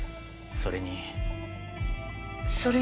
それに？